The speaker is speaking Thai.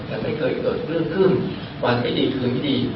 มันไม่เคยเกิดเลือดอื้มมันไม่ดีคือไม่ดี